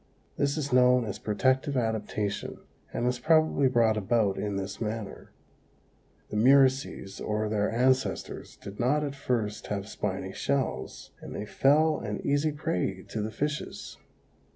This is known as protective adaptation and was probably brought about in this manner: the murices, or their ancestors, did not at first have spiny shells, and they fell an easy prey to the fishes.